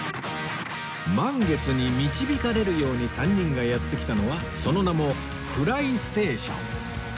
満月に導かれるように３人がやって来たのはその名も ＦｌｙＳｔａｔｉｏｎ